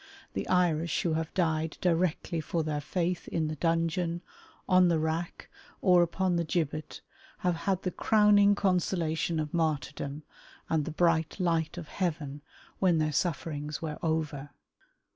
The Irish who have died directly for their faith in the dungeon, on the rack, or upon the gibbet, have had the crowning consolation of martyrdom and the bright light of heaven when their sufferings were over.